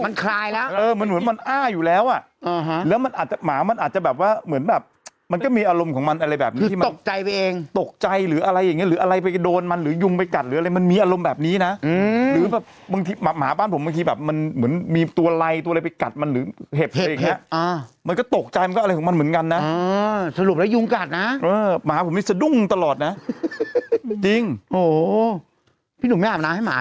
มันคลายแล้วเออมันเหมือนมันอ้าอยู่แล้วอ่ะแล้วมันอาจจะหมามันอาจจะแบบว่าเหมือนแบบมันก็มีอารมณ์ของมันอะไรแบบนี้ที่มันตกใจไปเองหมามันอาจจะหมามันอาจจะหมามันอาจจะหมามันอาจจะหมามันอาจจะหมามันอาจจะหมามันอาจจะหมามันอาจจะหมามันอาจจะหมามันอาจจะหมามันอาจจะหมา